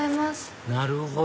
なるほど！